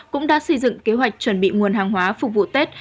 cũng đã xây dựng kế hoạch chuẩn bị nguồn hàng hóa phục vụ tết